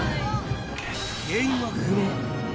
原因は不明。